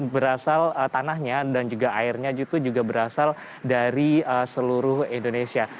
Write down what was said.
berasal tanahnya dan juga airnya juga berasal dari seluruh indonesia